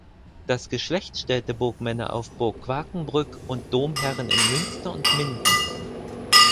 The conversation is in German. Das Geschlecht stellte Burgmänner auf Burg Quakenbrück und Domherren in Münster und Minden.